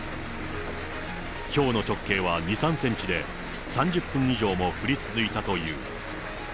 ひょうの直径は２、３センチで、３０分以上も降り続いたという。